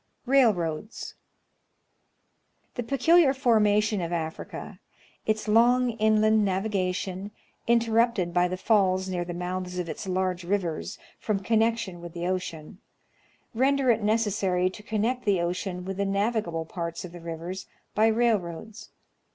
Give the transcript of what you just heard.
Railroads. The peculiar formation of Africa, its long inland navigation, interrupted by the falls near the mouths of its large rivers, from connection with the ocean, render it necessary to connect the ocean with the navigable parts of the rivers by railroads.